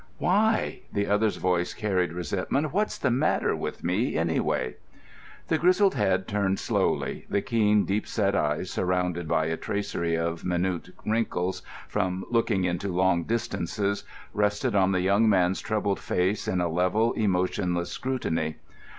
"Why?" The other's voice carried resentment. "What's the matter with me, anyway?" The grizzled head turned slowly, the keen, deep set eyes, surrounded by a tracery of minute wrinkles from looking into long distances, rested on the young man's troubled face in a level, emotionless scrutiny.